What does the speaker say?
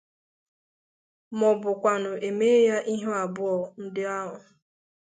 maọbụkwanụ e mee ya ihe abụọ ndị ahụ.